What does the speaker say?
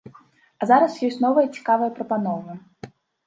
А зараз ёсць новыя цікавыя прапановы.